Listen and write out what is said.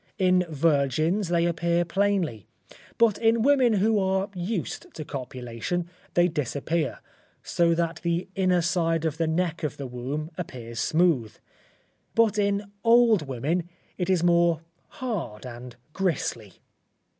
In virgins they appear plainly, but in women who are used to copulation they disappear, so that the inner side of the neck of the womb appears smooth, but in old women it is more hard and gristly.